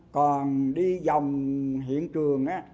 còn đi dòng hiện trường